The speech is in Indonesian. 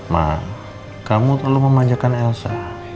ma kamu terlalu memanjakan elsa